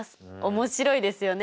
面白いですよね。